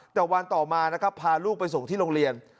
แต่วันต่อมานะครับพาลูกไปส่งที่โรงเรียน